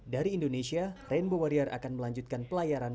dari indonesia rainbow warrior akan melanjutkan pelayaran